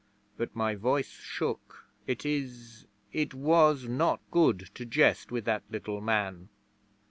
But my voice shook. It is it was not good to jest with that little man.